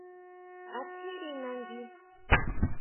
¿A tjiri nangui?